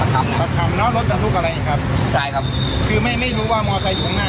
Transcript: มีรถจักรยานยนต์อยู่ข้างหน้าเนี้ยมีภาพอย่างที่เห็นในกล้องมุมจรปิด